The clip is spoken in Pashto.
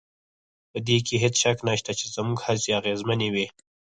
په دې کې هېڅ شک نشته چې زموږ هڅې اغېزمنې وې